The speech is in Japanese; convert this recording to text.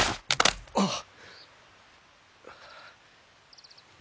ああ。